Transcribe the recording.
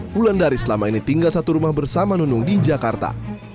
wulandari selama ini tinggal satu rumah bersama nunung di jakarta